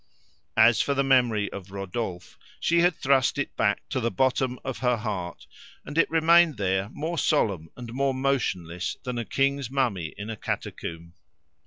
As for the memory of Rodolphe, she had thrust it back to the bottom of her heart, and it remained there more solemn and more motionless than a king's mummy in a catacomb.